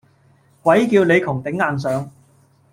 鬼叫你窮頂硬上